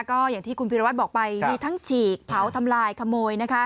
ก็อย่างที่คุณพิรวัตรบอกไปมีทั้งฉีกเผาทำลายขโมยนะคะ